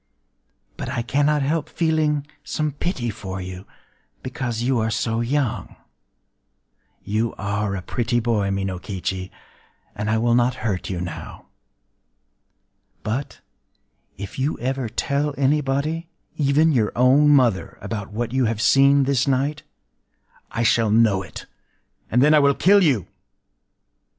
But I cannot help feeling some pity for you,—because you are so young... You are a pretty boy, Minokichi; and I will not hurt you now. But, if you ever tell anybody—even your own mother—about what you have seen this night, I shall know it; and then I will kill you...